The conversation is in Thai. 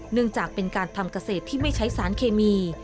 เนื่องจากเป็นการทำเกษตรที่ไม่ใช้สารเคมี